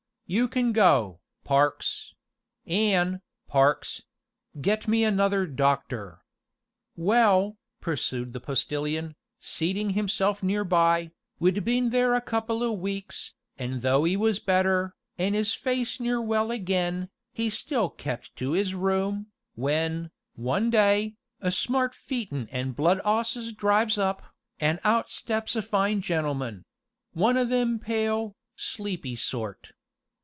You can go, Parks an', Parks get me another doctor.' Well," pursued the Postilion, seating himself near by, "we'd been there a couple o' weeks, an' though 'e was better, an' 'is face near well again, 'e still kept to 'is room, when, one day, a smart phaeton an' blood 'osses drives up, an' out steps a fine gentleman one o' them pale, sleepy sort.